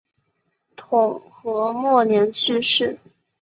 统和末年去世。